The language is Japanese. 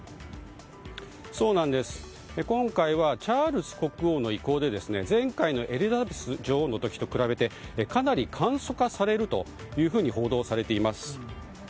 今回はチャールズ国王の意向で前回のエリザベス女王の時と比べてかなり簡素化されると報道されています。